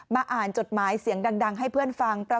อ่านจดหมายเสียงดังให้เพื่อนฟัง